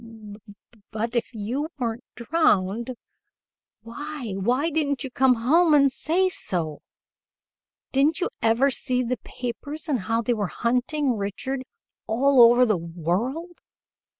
"B b ut if you weren't drowned, why why didn't you come home and say so? Didn't you ever see the papers and how they were hunting Richard all over the world?